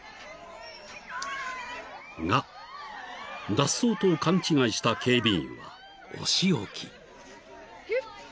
脱走と勘違いした警備員はお仕置き］